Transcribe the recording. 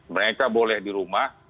mereka boleh di rumah